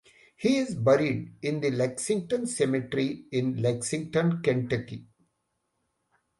He is buried in the Lexington Cemetery in Lexington, Kentucky.